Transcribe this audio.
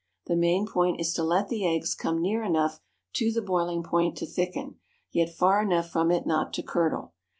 The main point is to let the eggs come near enough to the boiling point to thicken, yet far enough from it not to curdle.